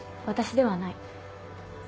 私ではない。